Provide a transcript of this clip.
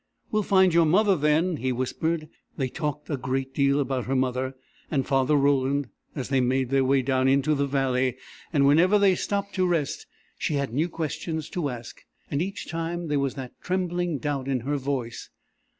"We'll find your mother, then," he whispered. They talked a great deal about her mother and Father Roland as they made their way down into the valley, and whenever they stopped to rest she had new questions to ask, and each time there was that trembling doubt in her voice.